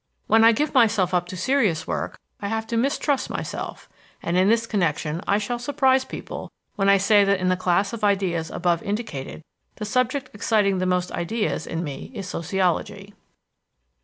When I give myself up to serious work, I have to mistrust myself: and in this connection I shall surprise people when I say that in the class of ideas above indicated the subject exciting the most ideas in me is sociology."